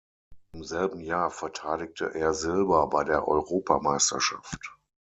Im selben Jahr verteidigte er Silber bei der Europameisterschaft.